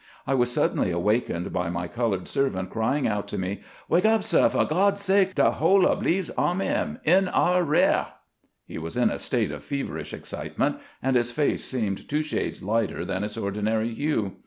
I was suddenly awakened by my colored servant crying out to me :" Wake up, sah, fo' God's sake ! De whole ob Lee's army am in our reah !" He was in a state of feverish excitement, and his face seemed two shades lighter than its ordinary hue.